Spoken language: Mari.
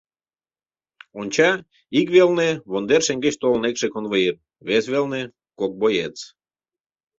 Онча: ик велне — вондер шеҥгеч толын лекше конвоир, вес велне — кок боец.